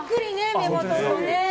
目元とかね。